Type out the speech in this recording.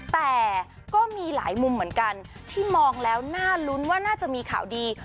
แต่ก็มีหลายมุมเหมือนกันที่มองแล้วน่าลุ้นว่าน่าจะมีข่าวดี